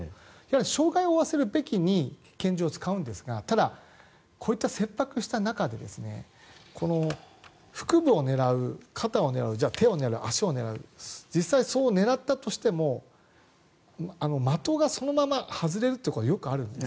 傷害を負わせる時に拳銃を使うんですがただ、こう言った切迫した中で腹部を狙う、肩を狙うじゃあ、手を狙う、足を狙う実際に狙ったとしても的がそのまま外れるというのはよくあるんです。